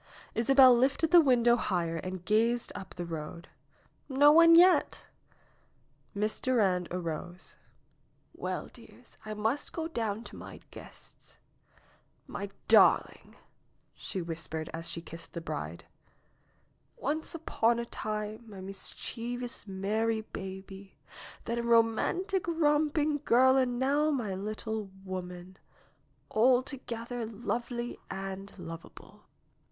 Isabel lifted the window higher and gazed up the road. "No one yet !" Miss Durand arose. "Well, dears, I must go down to my guests." NAOMI'S WEDDING BELLS 69 darling !" she whispered as she kissed the bride. '^Once upon a time my mischievous, merry baby, then a romantic, romping girl and now my little woman, alto gether lovely and lovable."